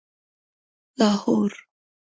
لاهور